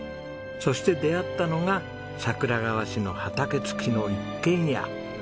そして出会ったのが桜川市の畑付きの一軒家。